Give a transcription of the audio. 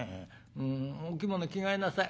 お着物着替えなさい。